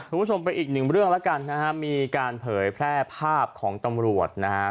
คุณผู้ชมไปอีกหนึ่งเรื่องแล้วกันนะฮะมีการเผยแพร่ภาพของตำรวจนะฮะ